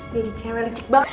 jadi cewe licik banget